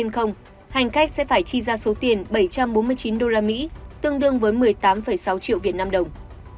để có được trải nghiệm ngắm nhật thực trên không hành khách sẽ phải chi ra số tiền bảy trăm bốn mươi chín usd tương đương với một mươi tám sáu triệu việt nam đồng